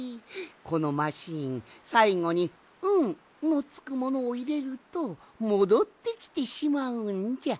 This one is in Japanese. このマシーンさいごに「ん」のつくものをいれるともどってきてしまうんじゃ。